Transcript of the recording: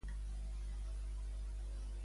Què ha propugnat Pérez?